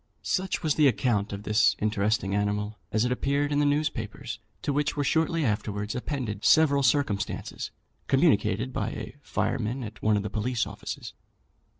Such was the account of this interesting animal as it appeared in the newspapers, to which were shortly afterwards appended several circumstances communicated by a fireman at one of the police offices.